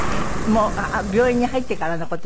もう病院に入ってからの事？